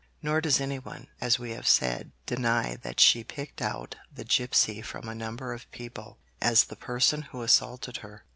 Nor does anyone, as we have said, deny that she picked out the gipsy from a number of people, as the person who assaulted her.